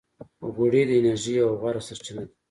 غوړې د انرژۍ یوه غوره سرچینه ده.